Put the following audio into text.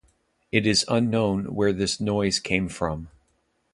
It is unknown where this noise came from.